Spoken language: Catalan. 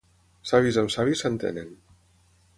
Savis amb savis s'entenen.